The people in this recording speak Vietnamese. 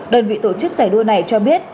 đơn vị tổ chức giải đua này cho biết